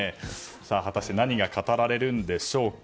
果たして何が語られるんでしょうか。